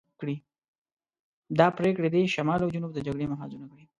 دا پرېکړې دې شمال او جنوب د جګړې محاذونه کړي.